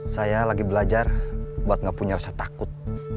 saya lagi belajar buat gak punya rasa takut